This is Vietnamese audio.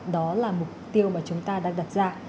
đó là mục tiêu mà chúng ta đang đặt ra